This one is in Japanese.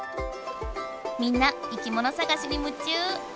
みんないきもの探しにむちゅう！